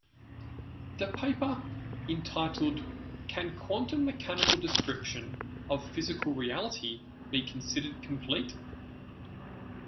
The paper, entitled Can quantum-mechanical description of physical reality be considered complete?